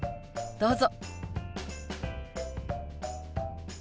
どうぞ。